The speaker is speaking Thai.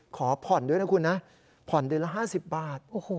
ขอผ่อนด้วยนะคุณนะผ่อนเดือนละ๕๐บาท